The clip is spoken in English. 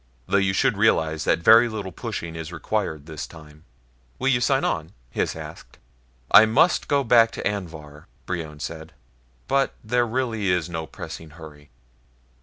Though you should realize that very little pushing is required this time." "Will you sign on?" Hys asked. "I must go back to Anvhar," Brion said, "but there really is no pressing hurry."